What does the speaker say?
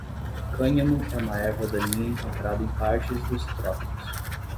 Cânhamo é uma erva daninha encontrada em partes dos trópicos.